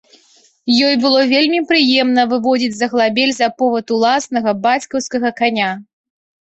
Ёй было вельмі прыемна выводзіць з аглабель за повад уласнага бацькаўскага каня.